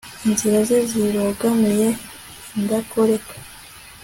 inzira ze zibogamiye indakoreka